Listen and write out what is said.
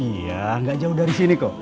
iya nggak jauh dari sini kok